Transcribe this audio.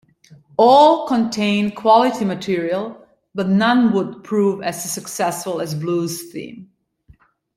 All contained quality material, but none would prove as successful as "Blues' Theme".